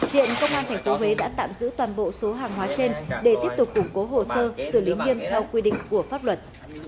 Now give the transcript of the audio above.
hiện công an tp huế đã tạm giữ toàn bộ số hàng hóa trên để tiếp tục củng cố hồ sơ xử lý nghiêm theo quy định của pháp luật